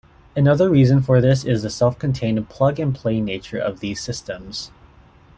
Another reason for this is the self-contained plug-and-play nature of these systems.